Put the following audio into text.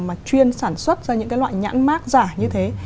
mà chuyên sản xuất ra những cái loại nhãn mát giả như thế